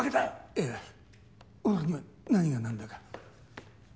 いや俺には何がなんだか。